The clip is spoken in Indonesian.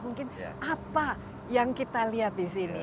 mungkin apa yang kita lihat di sini